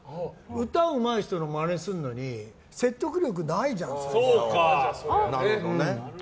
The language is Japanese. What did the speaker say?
歌うまい人のマネするのに説得力ないじゃんって。